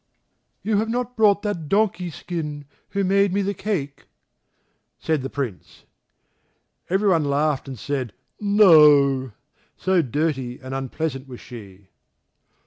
"You have not brought that Donkey skin, who made me the cake," said the Prince. Everyone laughed and said, "No," so dirty and unpleasant was she.